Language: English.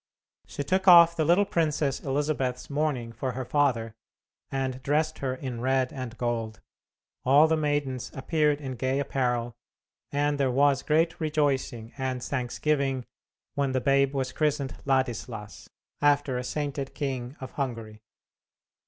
She took off the little princess Elizabeth's mourning for her father and dressed her in red and gold, all the maidens appeared in gay apparel, and there was great rejoicing and thanksgiving when the babe was christened Ladislas, after a sainted king of Hungary.